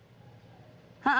ini di mana ya